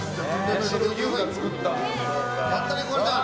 やったね、こはるちゃん。